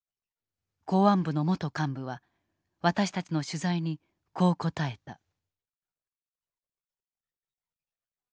公安部の元幹部は私たちの取材にこう答えた。